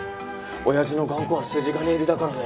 親父の頑固は筋金入りだからね。